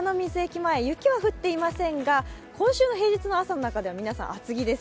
前、雪は降っていませんが今週の平日の朝の中では皆さん厚着です。